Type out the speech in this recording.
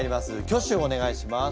挙手をお願いします。